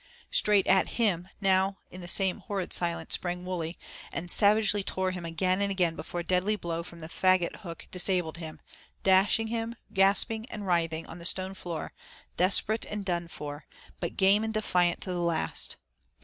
Straight at him, now in the same horrid silence sprang Wully, and savagely tore him again and again before a deadly blow from the fagot hook disabled him, dashing him, gasping and writhing, on the stone floor, desperate, and done for, but game and defiant to the last.